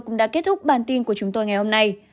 cũng đã kết thúc bản tin của chúng tôi ngày hôm nay